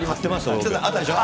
北澤さん、あったでしょう。